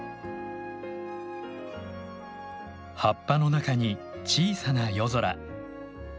葉っぱの中に小さな夜空。